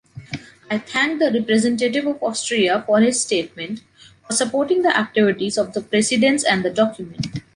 I thank the representative of Austria for his statement, for supporting the activities of the Presidents and the document.